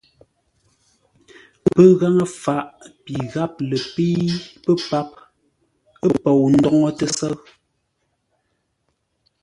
Pəghaŋə faʼ pi gháp lə pə́i pə́ páp pou ndóŋə́ tə́sə́ʉ.